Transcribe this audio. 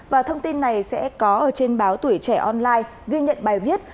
và thông tin này sẽ có ở trên báo tuổi trẻ online ghi nhận bài viết